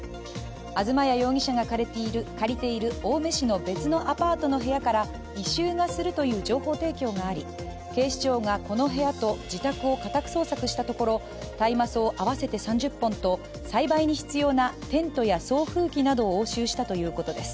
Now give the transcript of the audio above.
東谷容疑者が借りている青梅市の別のアパートの部屋から異臭がするという情報提供があり警視庁がこの部屋と自宅を家宅捜索したところ大麻草合わせて３０本と栽培に必要なテントや送風機などを押収したということです。